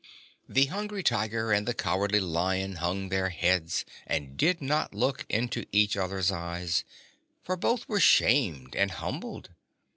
The Hungry Tiger and the Cowardly Lion hung their heads and did not look into each other's eyes, for both were shamed and humbled.